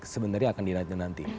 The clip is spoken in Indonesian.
sebenarnya akan dinantikan nanti